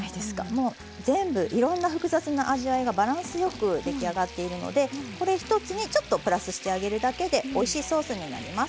もう全部いろんな複雑な味わいがバランスよく出来上がっているのでこれ一つにちょっとプラスしてあげるだけでおいしいソースになります。